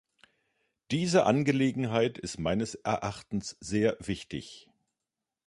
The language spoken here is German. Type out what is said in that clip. Diese Angelegenheit ist meines Erachtens sehr wichtig.